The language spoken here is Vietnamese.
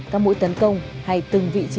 các mũi tấn công hay từng vị trí